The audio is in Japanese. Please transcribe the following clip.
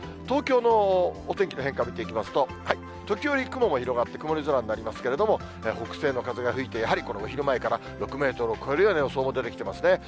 東京のお天気の変化を見ていきますと、時折、雲も広がって、曇り空になりますけれども、北西の風が吹いて、やはりこのお昼前から、６メートルを超えるような予想も出てきてますね。